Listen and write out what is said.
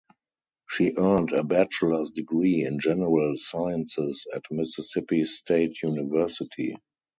She earned a bachelor's degree in general sciences at Mississippi State University.